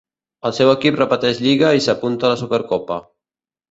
El seu equip repeteix lliga i s'apunta la Supercopa.